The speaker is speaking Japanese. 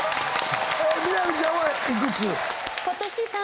みな実ちゃんは幾つ？